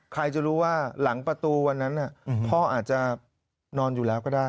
ใครจะรู้ว่าหลังประตูวันนั้นพ่ออาจจะนอนอยู่แล้วก็ได้